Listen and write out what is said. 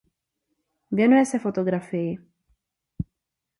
Věnuje se fotografii.